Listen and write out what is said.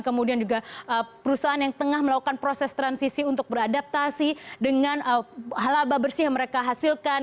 kemudian juga perusahaan yang tengah melakukan proses transisi untuk beradaptasi dengan hal laba bersih yang mereka hasilkan